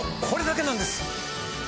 これだけなんです！